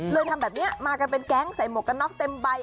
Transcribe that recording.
ทำแบบนี้มากันเป็นแก๊งใส่หมวกกันน็อกเต็มใบ